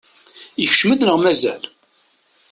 Ikcem-d neɣ mazal?